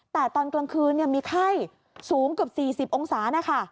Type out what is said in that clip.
แต่ตอนกลางคืนมีไข้สูงเกือบ๔๐องศานะคะ